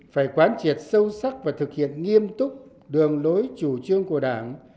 phải quán triệt sâu sắc và thực hiện nghiêm túc đường lối chủ trương của đảng